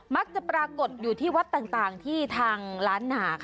มักจะปรากฏอยู่ที่วัดต่างที่ทางล้านหนา